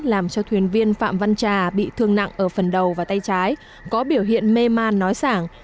làm cho thuyền viên phạm văn trà bị thương nặng ở phần đầu và tay trái có biểu hiện mê man nói sảng